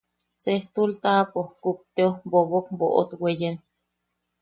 Sejtul taʼapo kupteo bobok boʼot weyen.